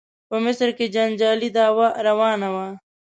په مصر کې جنجالي دعوا روانه وه.